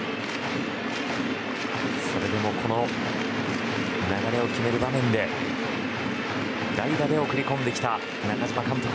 それでもこの流れを決める場面で代打で送り込んできた中嶋監督